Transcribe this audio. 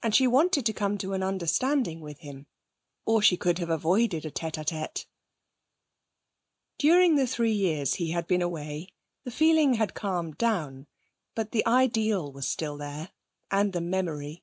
And she wanted to come to an understanding with him, or she could have avoided a tête à tête. During the three years he had been away the feeling had calmed down, but the ideal was still there, and the memory.